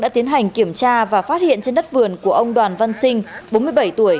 đã tiến hành kiểm tra và phát hiện trên đất vườn của ông đoàn văn sinh bốn mươi bảy tuổi